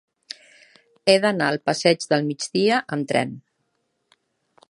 He d'anar al passeig del Migdia amb tren.